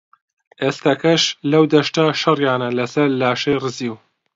ئێستەکەش لەو دەشتە شەڕیانە لەسەر لاشەی ڕزیو